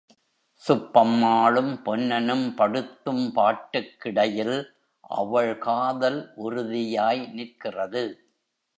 சுப்பம்மாளும் பொன்னனும் படுத்தும் பாட்டுக்கிடையில், அவள் காதல் உறுதியாய் நிற்கிறது.